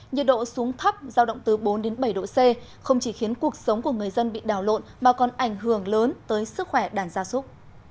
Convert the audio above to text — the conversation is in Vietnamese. nhiệt độ xuống thấp giao động từ bốn bảy độ c không chỉ khiến cuộc sống của người dân bị đào lộn mà còn ảnh hưởng lớn tới sức khỏe đàn gia súc